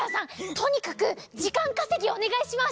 とにかくじかんかせぎおねがいします！